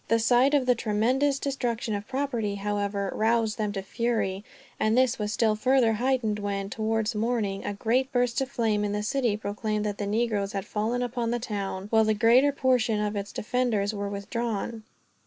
The sight of the tremendous destruction of property, however, roused them to fury; and this was still further heightened when, towards morning, a great burst of flame in the city proclaimed that the negroes had fallen upon the town, while the greater portion of its defenders were withdrawn.